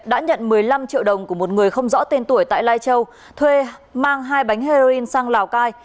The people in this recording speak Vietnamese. đã nhận một mươi năm triệu đồng của một người không rõ tên tuổi tại lai châu thuê mang hai bánh heroin sang lào cai